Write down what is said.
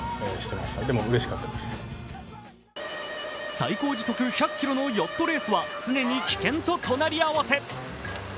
最高時速１００キロのヨットレースは常に危険と隣り合わせ。